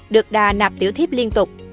được đà nạp tiểu thiếp liên tục